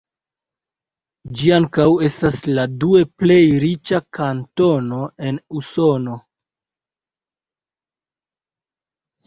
Ĝi ankaŭ estas la due plej riĉa kantono en Usono.